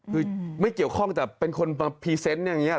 คือไม่เกี่ยวข้องแต่เป็นคนมาพรีเซนต์อย่างนี้